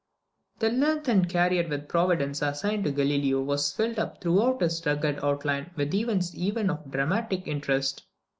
The lengthened career which Providence assigned to Galileo was filled up throughout its rugged outline with events even of dramatic interest.